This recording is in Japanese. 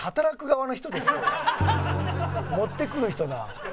持ってくる人だわ。